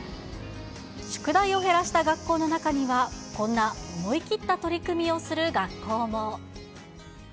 宿題を減らした学校の中には、こんな思い切った取り組みをする学校も。